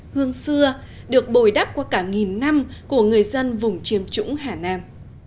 hương xưa được bồi đắp qua cả nghìn năm của người dân vùng chiêm trũng hà nam